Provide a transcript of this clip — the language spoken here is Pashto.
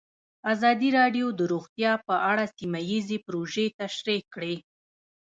ازادي راډیو د روغتیا په اړه سیمه ییزې پروژې تشریح کړې.